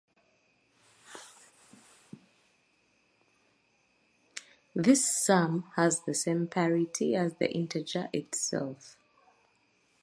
This sum has the same parity as the integer itself.